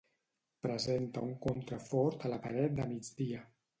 Presenta un contrafort a la paret de migdia.